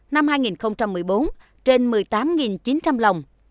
năm hai nghìn một mươi bốn trên một mươi tám chín trăm linh lồng